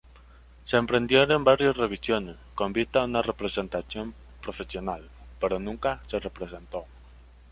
Se emprendieron varias revisiones "con vistas a una representación profesional", pero nunca se representó.